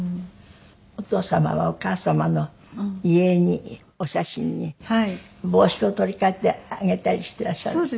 お父様はお母様の遺影にお写真に帽子を取り替えてあげたりしていらっしゃるんですって？